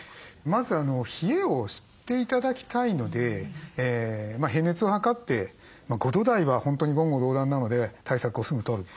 まず冷えを知って頂きたいので平熱を測って５度台は本当に言語道断なので対策をすぐとる。